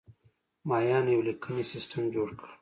مایانو یو لیکنی سیستم جوړ کړ.